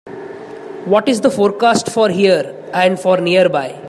what is the forecast for here and for nearby